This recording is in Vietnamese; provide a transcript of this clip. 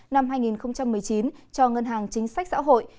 năm hai nghìn một mươi chín cho ngân hàng chính sách xã hội